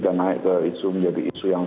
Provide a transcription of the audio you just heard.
dan naik ke isu isu yang